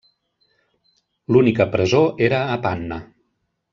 L'única presó era a Panna.